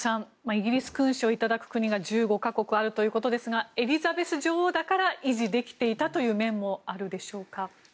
イギリス君主を頂く国が１５か国あるということですがエリザベス女王だから維持できていたという面もあるんでしょうか。